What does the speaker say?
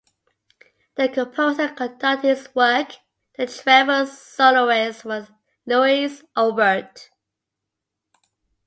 The composer conducted his work; the treble soloist was Louis Aubert.